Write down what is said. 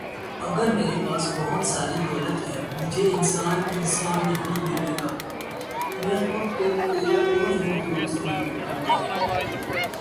اگر میرے پاس بہت ساری دولت ہے مجھے انسان انسان نہیں لگے گا۔۔ می خود کو کوئی اور ہی مخلوق سمجھ بیٹھوں گا